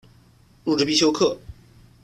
入职必修课